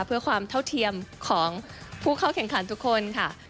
เพื่อความเท่าเทียมของผู้เข้าแข่งขันทุกคนค่ะ